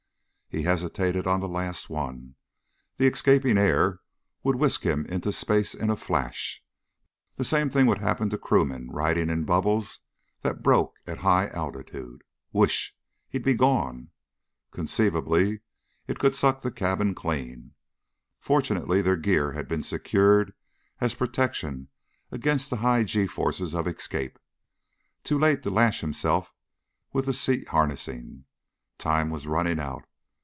He hesitated on the last one. The escaping air could whisk him into space in a flash. The same thing had happened to crewmen riding in bubbles that broke at high altitude. Whoosh! He'd be gone! Conceivably, it could suck the cabin clean. Fortunately their gear had been secured as protection against the high g forces of escape. Too late to lash himself with the seat harnessing. Time was running out.